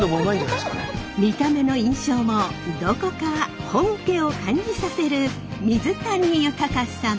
見た目の印象もどこか本家を感じさせる水谷豊サマ。